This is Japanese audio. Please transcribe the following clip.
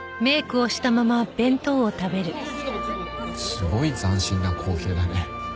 すごい斬新な光景だね。